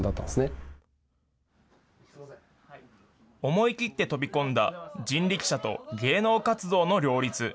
思い切って飛び込んだ人力車と芸能活動の両立。